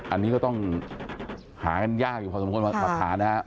อันนี้ก็ต้องหากันยากอยู่พอสมมุติมาหานะครับ